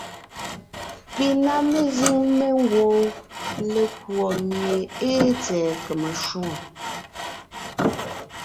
Pi ná mezíŋ mengwoon lekùɔ mie ée tsɛ̀ɛ kème shwòŋo.